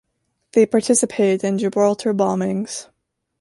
They participated in Gibraltar bombings.